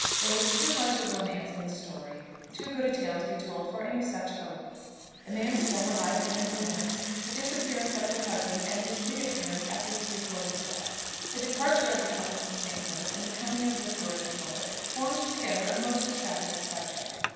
There was too much of romance in the story, too good a tale to be told, for any such hope. The man's former life and the woman's, the disappearance of her husband and his reappearance after his reported death, the departure of the couple from St. Louis and the coming of Lefroy to Bowick, formed together a most attractive subject.